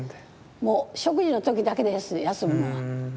もう食事の時だけです休むのは。